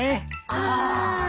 ああ。